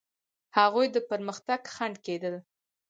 هغوی د پرمختګ خنډ کېدل.